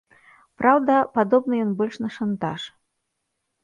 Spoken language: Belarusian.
Праўда, падобны ён больш на шантаж.